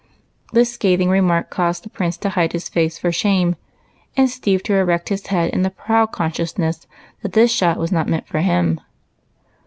" This scathing remark caused the Prince to hide his face for shame, and Steve to erect his head in the proud consciousness that this shot was not meant for him.